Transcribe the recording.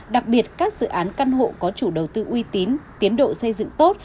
đặc biệt các dự án căn hộ có chủ đầu tư uy tín tiến độ xây dựng tốt